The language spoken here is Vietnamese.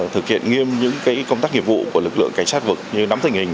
thực hiện nghiêm những công tác nghiệp vụ của lực lượng cảnh sát vực như nắm tình hình